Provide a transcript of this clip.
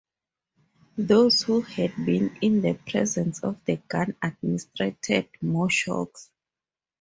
Those who had been in the presence of the gun administered more shocks.